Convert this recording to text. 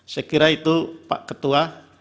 saya kira itu pak ketua